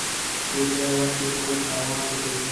بې ځایه وخت تېرول تاوان لري.